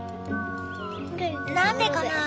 何でかな？